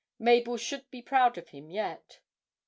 Mabel should be proud of him yet!